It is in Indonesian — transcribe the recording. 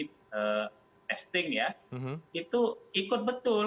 testing ya itu ikut betul